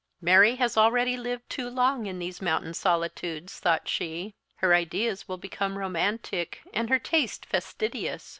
"Mary has already lived too long in these mountain solitudes," thought she; "her ideas will become romantic, and her taste fastidious.